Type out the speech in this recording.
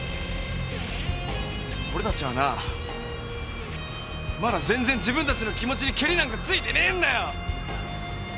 俺たちはなまだ全然自分たちの気持ちにけりなんかついてねえんだよ！